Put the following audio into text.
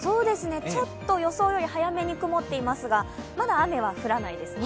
ちょっと予想より早めに曇っていますが、まだ雨は降らないですね。